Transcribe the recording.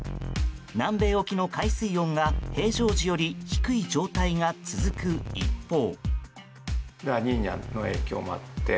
南米沖の海水温が、平常時より低い状態が続く一方。